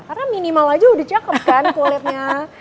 karena minimal aja udah cakep kan kulitnya